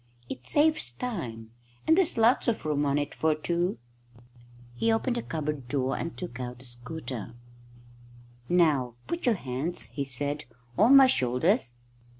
"It saves time, and there's lots of room on it for two." He opened the cupboard door and took out a scooter. "Now put your hands," he said, "on my shoulders."